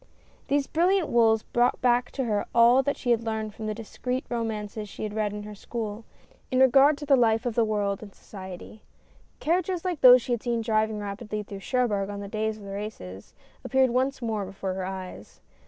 These brilliant wools brought back to her all that she had learned from the discreet romances she had read in her school, in regard to the life of the world and DREAMS. 41 society. Carriages like those she had seen driving rapidly through Cherbourg on the days of the races, appeared once more before her eyes.